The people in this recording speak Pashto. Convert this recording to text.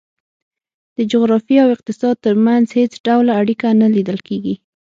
د جغرافیې او اقتصاد ترمنځ هېڅ ډول اړیکه نه لیدل کېږي.